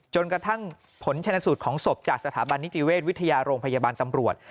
จนกระทั่งผลชนสูตรของศพจากสถาบันนิติเวชวิทยาโรงพยาบาลตำรวจ